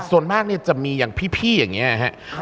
อ่าส่วนมากจะมีพี่พี่อย่างเนี่ยครับ